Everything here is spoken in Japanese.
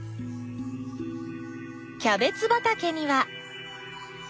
キャベツ畑には。